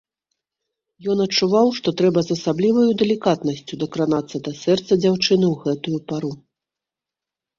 Ён адчуваў, што трэба з асабліваю далікатнасцю дакранацца да сэрца дзяўчыны ў гэтую пару.